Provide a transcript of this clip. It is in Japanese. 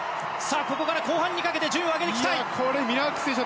ここから後半にかけて順位を上げたい。